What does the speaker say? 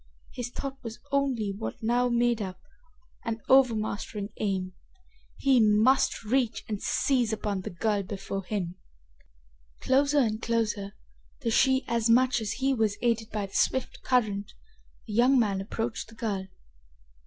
His thought was only what now made up an overmastering aim. He must reach and seize upon the girl before him! Closer and closer, though she as much as he was aided by the swift current, the young man approached the girl.